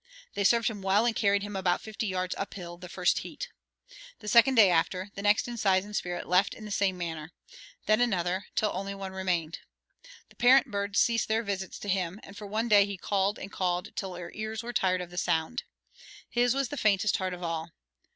They served him well and carried him about fifty yards up hill the first heat. The second day after, the next in size and spirit left in the same manner; then another, till only one remained. The parent birds ceased their visits to him, and for one day he called and called till our ears were tired of the sound. His was the faintest heart of all.